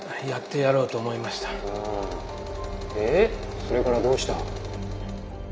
それからどうした？